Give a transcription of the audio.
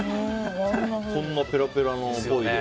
こんなペラペラのポイで。